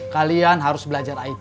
kalian harus belajar it